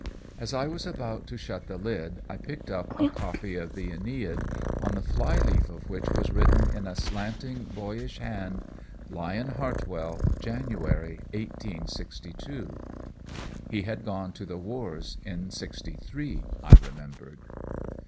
As I was about to shut the lid, I picked up a copy of the Æneid, on the fly leaf of which was written in a slanting, boyish hand, Lyon Hartwell, January, 1862. He had gone to the wars in Sixty three, I remembered.